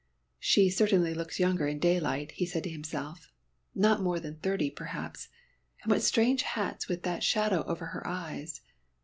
"She certainly looks younger in daylight," he said to himself. "Not more than thirty perhaps. And what strange hats with that shadow over her eyes.